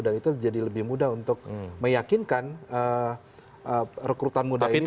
dan itu jadi lebih mudah untuk meyakinkan rekrutan muda ini bahwa